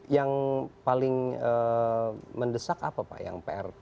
yang paling mendesak apa pak yang pr